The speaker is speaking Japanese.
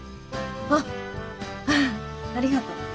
あっありがとう。